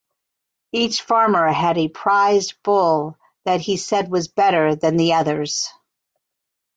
Each farmer had a prized bull that he said was better than the other's.